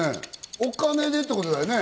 お金でってことだよね。